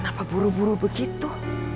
tanpa buru buru begitu